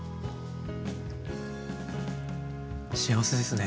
幸せですね。